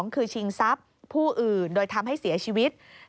คือชิงทรัพย์ผู้อื่นโดยทำให้เสียชีวิต